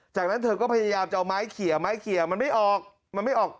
จากนั้นเธอก็พยายามจะเอาไม้เขียวมันไม่ออก